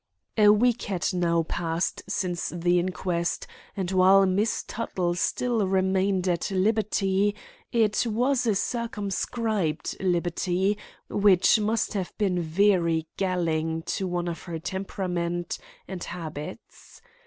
A week had now passed since the inquest, and, while Miss Tuttle still remained at liberty, it was a circumscribed liberty which must have been very galling to one of her temperament and habits.